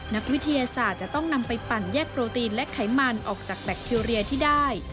นักวิทยาศาสตร์จะต้องนำไปปั่นแยกโปรตีนและไขมันออกจากแบคทีเรียที่ได้